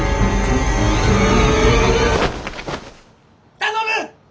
頼む！